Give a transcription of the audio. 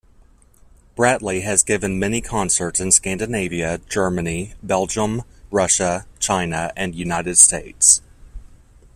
Bratlie has given many concerts in Scandinavia, Germany, Belgium, Russia, China and United States.